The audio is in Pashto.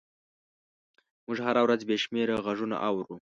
موږ هره ورځ بې شمېره غږونه اورو.